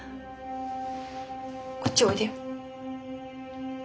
こっちおいでよ。